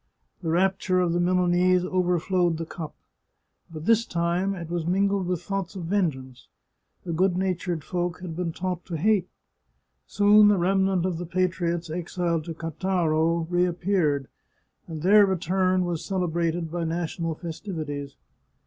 The rapture of the Milanese overflowed the cup. But this time it was mingled with thoughts of vengeance. A good natured folk had been taught to hate. Soon the remnant of the patriots exiled to Cattaro reappeared, and their return was cele brated by national festivities.